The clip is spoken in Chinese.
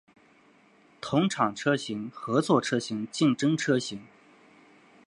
同厂车型合作车型竞争车型